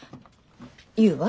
言うわ。